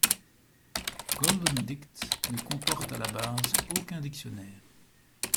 GoldenDict ne comporte à la base aucun dictionnaire.